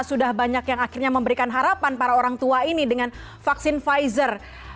sudah banyak yang akhirnya memberikan harapan para orang tua ini dengan vaksin pfizer